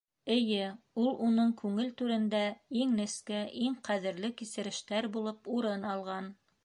Эйе, ул уның күңел түрендә иң нескә, иң ҡәҙерле кисерештәр булып урын алған.